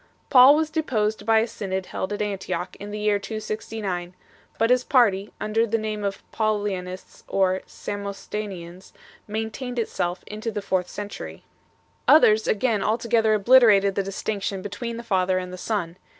Paul was deposed by a synod held at Antioch 3 in the year 269, but his jmrty, under the name of Paulianists or Samosatenians, maintained itself into the fourth century. Others again altogether obliterated the distinction between the Father and the Son.